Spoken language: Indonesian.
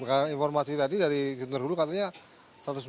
bukan informasi tadi dari jurnal terhulu katanya satu ratus empat puluh cm